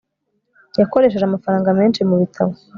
Yakoresheje amafaranga menshi mubitabo